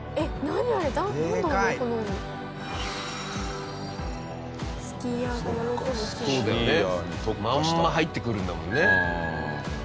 まんま入ってくるんだもんね。